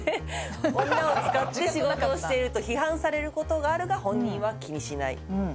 女を使って仕事をしていると批判されることがあるが本人は気にしない。